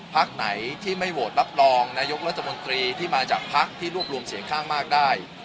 พักไหนที่ไม่โหวตรับรองนายกรัฐมนตรีที่มาจากพักที่รวบรวมเสียงข้างมากได้